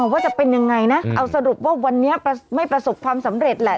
ว่าจะเป็นยังไงนะเอาสรุปว่าวันนี้ไม่ประสบความสำเร็จแหละ